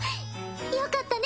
よかったね